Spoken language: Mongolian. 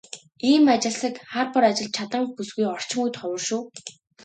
Ийм ажилсаг, хар бор ажилд чаданги бүсгүй орчин үед ховор шүү.